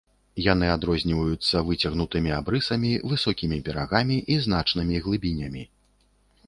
Яны адрозніваюцца выцягнутымі абрысамі, высокімі берагамі і значнымі глыбінямі.